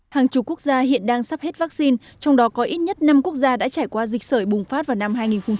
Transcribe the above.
hàng chục quốc gia hiện đang sắp hết vaccine trong đó có ít nhất năm quốc gia đã trải qua dịch sởi bùng phát vào năm hai nghìn một mươi